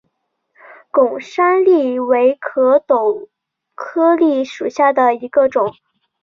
贡山栎为壳斗科栎属下的一个种。